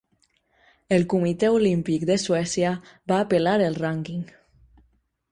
El Comitè Olímpic de Suècia va apel·lar el rànquing.